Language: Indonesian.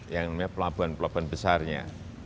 yang namanya pelabuhan pelabuhan besarnya